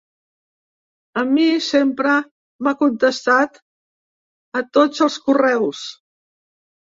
A mi sempre m’ha contestat a tots els correus.